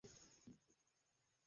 ছোটবেলা থেকে একটি জিনিসই শিখে এসেছি।